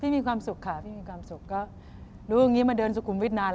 มีความสุข